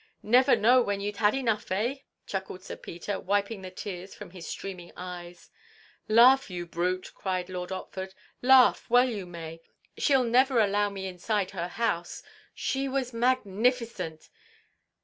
"Never know when you 've had enough, eh?" chuckled Sir Peter, wiping the tears from his streaming eyes. "Laugh, you brute!" cried Lord Otford. "Laugh! Well you may. She 'll never allow me inside her house. She was magnificent!